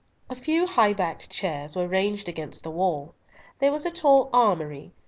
A few high backed chairs were ranged against the wall; there was a tall "armory," i.